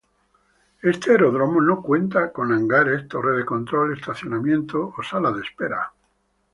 Este aeródromo no cuenta con hangares, torre de control, estacionamiento o sala de espera.